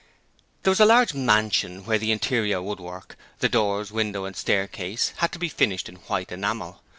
There was a large mansion where the interior woodwork the doors, windows and staircase had to be finished in white enamel.